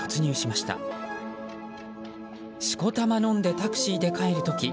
しこたま飲んでタクシーで帰る時